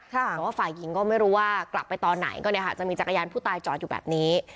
แต่ว่าฝ่ายหญิงก็ไม่รู้ว่ากลับไปตอนไหนก็เนี่ยค่ะจะมีจักรยานผู้ตายจอดอยู่แบบนี้